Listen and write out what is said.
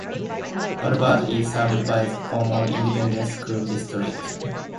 Bulverde is served by the Comal Independent School District.